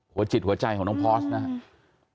หัวจิตหัวใจของน้องพอสนะครับ